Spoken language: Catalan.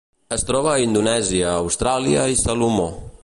Es troba a Indonèsia, Austràlia i Salomó.